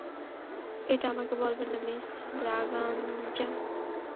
এটা আমাকে বলবেন না মিস ব্রাগানজা।